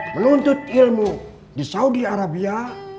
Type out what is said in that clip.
menuntut ilmu di saudi arabia